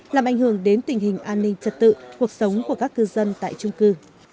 làm ảnh hưởng đến tình hình an ninh trật tự cuộc sống của các cư dân tại trung cư